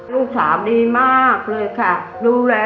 ลูกสาวดีมากเลยค่ะ